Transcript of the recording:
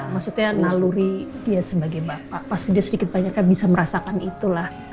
maksudnya maluri dia sebagai bapak pasti dia sedikit banyaknya bisa merasakan itulah